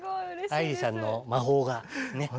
愛理さんの魔法がねっ！